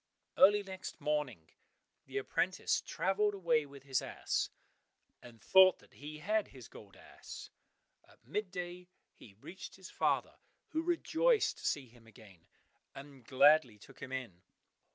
Early next morning the apprentice travelled away with his ass, and thought that he had his gold ass. At mid day he reached his father, who rejoiced to see him again, and gladly took him in.